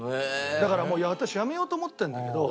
「だからもう私やめようと思ってるんだけど」。